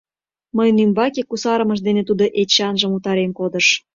Мыйын ӱмбаке кусарымыж дене тудо Эчанжым утарен кодыш.